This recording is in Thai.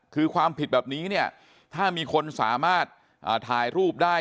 คือความผิดแบบนี้เนี่ยถ้ามีคนสามารถถ่ายรูปได้